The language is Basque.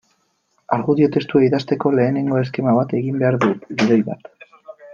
Argudio testua idazteko lehenengo eskema bat egin dugu, gidoi bat.